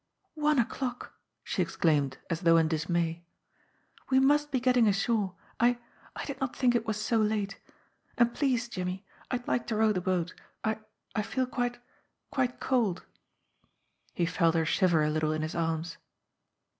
"One o'clock !" she exclaimed, as though in dismay. "We must be getting ashore. I I did not think it was so late. And please, Jimmie, I'd like to row the boat. I I feel quite quite cold." He felt her shiver a little in his arms.